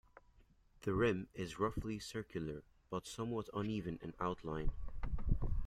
The rim is roughly circular but somewhat uneven in outline.